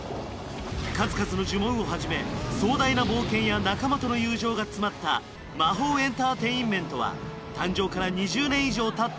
数々の呪文をはじめ壮大な冒険や仲間との友情が詰まった魔法エンターテインメントは誕生から２０年以上たった